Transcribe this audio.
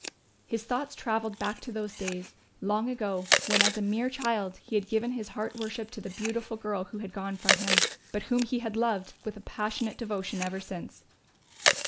His thoughts travelled back to those days, long ago, when as a mere child he had given his heart worship to the beautiful girl who had gone from him, but whom he had loved with a passionate devotion ever since.